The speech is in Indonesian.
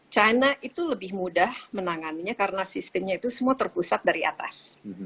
china itu lebih mudah menangannya karena sistemnya itu semua terpusat dari atas